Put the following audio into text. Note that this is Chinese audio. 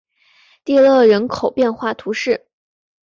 蒂勒人口变化图示